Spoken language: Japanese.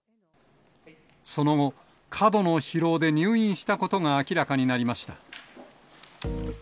その後、過度の疲労で入院したことが明らかになりました。